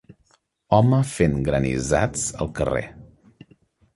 Home fent granissats al carrer